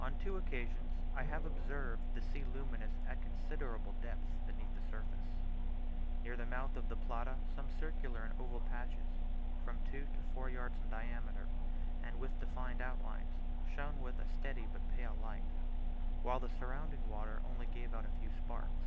On two occasions I have observed the sea luminous at considerable depths beneath the surface. Near the mouth of the Plata some circular and oval patches, from two to four yards in diameter, and with defined outlines, shone with a steady but pale light; while the surrounding water only gave out a few sparks.